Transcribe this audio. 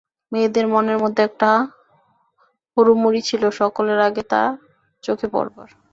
মেয়েদের মনের মধ্যে একটা হুড়োমুড়ি ছিল সকলের আগে তাঁর চোখে পড়বার।